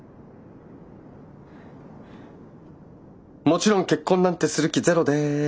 もちろん結婚なんてする気ゼロです。